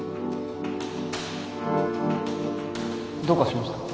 どうかしました？